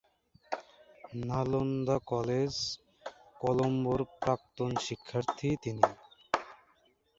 Nalanda college কলম্বোর প্রাক্তন শিক্ষার্থী তিনি।